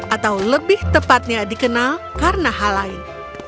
atau lebih tepatnya dikenal karena hal lain